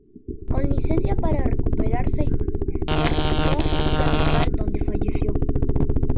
Con licencia para recuperarse, se retiró a su villa natal donde falleció.